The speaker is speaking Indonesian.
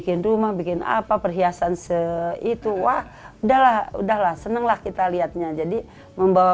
beli rumah bikin apa perhiasan seitu wah udahlah udahlah senenglah kita lihatnya jadi membawa